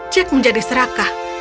jack menjadi serakah